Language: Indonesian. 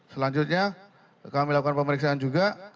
selanjutnya kami lakukan pemeriksaan juga